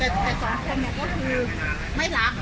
แต่สองคนก็คือไม่รัก